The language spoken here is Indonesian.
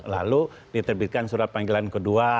lalu diterbitkan surat panggilan kedua